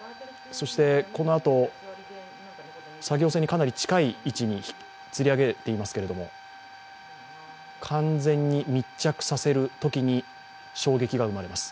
そしてこのあと、作業船にかなり近い位置につり上げていますけれども完全に密着させるときに衝撃が生まれます。